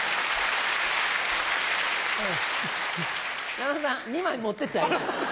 山田さん２枚持ってって。